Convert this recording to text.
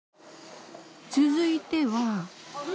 続いては。